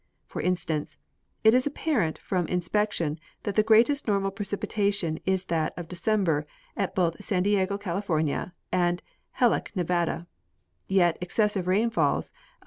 For instance, it is apparent from inspection that the greatest normal precipitation is that of De cember at both San Diego, California, and Halleck, Nevada ; yet excessive rainfalls of 9.